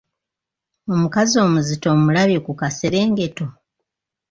Omukazi omuzito omulabye ku kaserengeto?